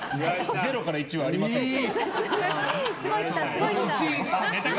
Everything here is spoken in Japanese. ０から１はありませんから。